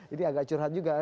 ini agak curhat juga